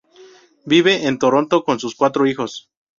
Vive en Toronto con sus cuatro hijos.